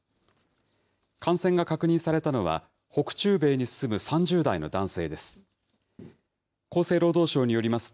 感染が確認されたのは、北中米に住む３０代の男性です。